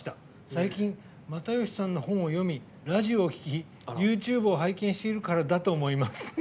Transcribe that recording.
最近、又吉さんの本を読みラジオを聴き、ＹｏｕＴｕｂｅを拝見しているからだと思います。